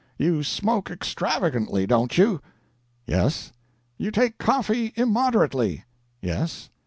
You smoke extravagantly, don't you?" "Yes." "You take coffee immoderately?" "Yes."